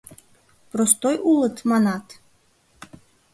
Простой улыт, манат?